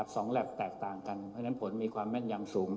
แล็บแตกต่างกันเพราะฉะนั้นผลมีความแม่นยำสูง